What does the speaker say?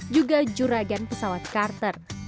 juga juragan pesawat karter